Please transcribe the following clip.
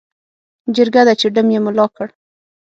جرګه ده چې ډم یې ملا کړ.